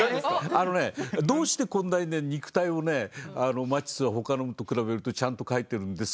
あのねどうしてこんなにね肉体をねマティスは他のと比べるとちゃんと描いてるんですか？